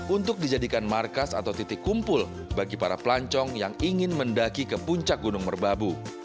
untuk dijadikan markas atau titik kumpul bagi para pelancong yang ingin mendaki ke puncak gunung merbabu